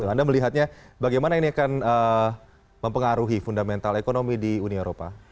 anda melihatnya bagaimana ini akan mempengaruhi fundamental ekonomi di uni eropa